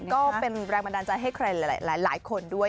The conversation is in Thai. ก็เป็นแรงบันดาลใจให้ใครหลายคนด้วย